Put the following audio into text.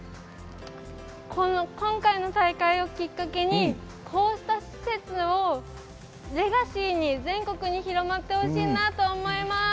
今回の大会をきっかけにこうした施設をレガシーに、全国に広がってほしいなと思います。